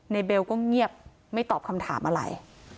เบลก็เงียบไม่ตอบคำถามอะไร